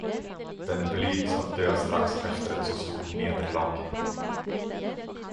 Den blygs att dö strax efter ett så stort nederlag.